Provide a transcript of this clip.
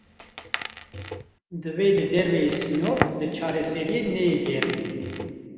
Divê li derveyî sînor, li çareseriyê neyê gerîn